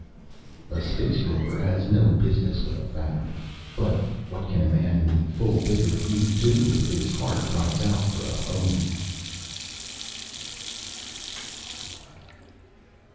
_ A space rover has no business with a family. But what can a man in the full vigor of youth do if his heart cries out for a home?